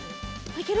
いける？